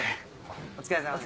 お疲れさまです。